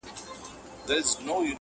o له يوه سپاره دوړه نه خېژى!